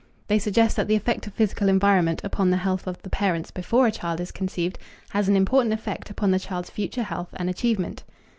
They suggest that the effect of physical environment upon the health of the parents before a child is conceived has an important effect upon the child's future health and achievement.